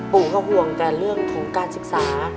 ปู่ก็ห่วงแต่เรื่องของการศึกษา